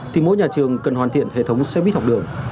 thì mỗi nhà trường cần hoàn thiện hệ thống xe buýt học đường